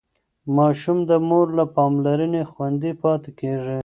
ماشوم د مور له پاملرنې خوندي پاتې کېږي.